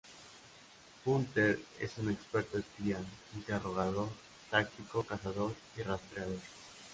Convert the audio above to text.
Hunter es un experto espía, interrogador, táctico, cazador y rastreador.